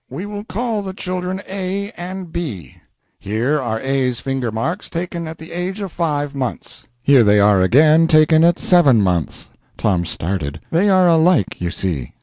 We will call the children A and B. Here are A's finger marks, taken at the age of five months. Here they are again, taken at seven months. [Tom started.] They are alike, you see.